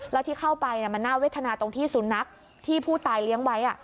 แล้วที่เข้าไปน่าวิธีตรงที่ศูนย์นักที่ผู้ตายเลี้ยงไว้